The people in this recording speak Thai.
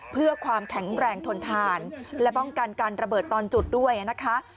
เพื่อความแข็งแรงทนทานและป้องกันการระเบิดตอนจุดด้วยนะคะ